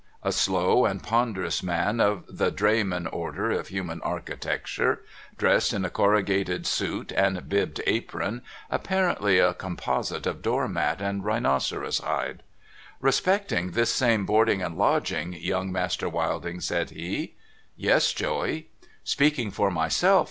A slow and ponderous man, of the drayman order of human architecture, JOEY LADLE 481 dressed in a corrugated suit and bibbed apron, apparently a com posite of door mat and rbinoceros hide. ' Respecting this same boarding and lodging, Young Master Wilding,' said he. ' Yes, Joey ?'* Speaking for myself.